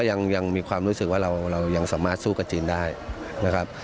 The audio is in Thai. ยังมีความรู้สึกว่าเรายังสามารถสู้กับจีนได้นะครับ